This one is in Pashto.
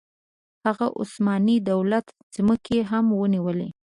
هغه د عثماني دولت ځمکې هم ونیولې.